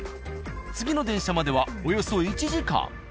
次の電車まではおよそ１時間。